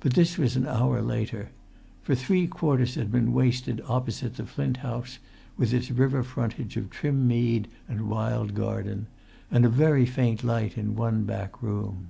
But this was an hour later; for three quarters had been wasted opposite the Flint House, with its river frontage of trim mead and wild garden, and a very faint light in one back room.